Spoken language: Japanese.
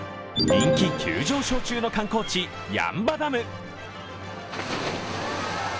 人気急上昇中の観光地、八ッ場ダム。